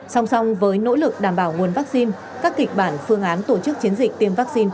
song song với nỗ lực đảm bảo nguồn vaccine các kịch bản phương án tổ chức chiến dịch tiêm vaccine